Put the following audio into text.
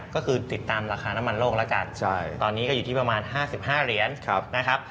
ก็คือติดตามราคาน้ำมันโลกแล้วกันตอนนี้ก็อยู่ที่ประมาณ๕๕เหรียญนะครับ